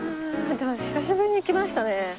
でも久しぶりに来ましたね